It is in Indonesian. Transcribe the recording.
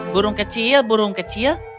burung kecil burung kecil